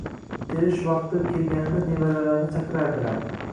Terish vaqti kelganida nevaralarni chaqirardilar.